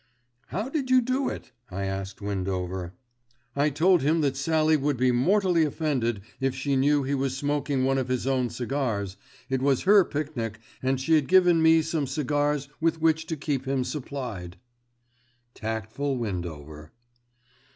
"How did you do it?" I asked Windover. "I told him that Sallie would be mortally offended if she knew he was smoking one of his own cigars, it was her pic nic and she had given me some cigars with which to keep him supplied." Tactful Windover.